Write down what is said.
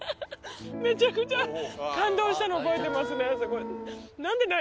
めちゃくちゃ感動したのを覚えてますねすごい。